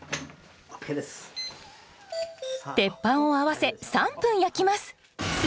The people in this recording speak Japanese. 鉄板を合わせ３分焼きます。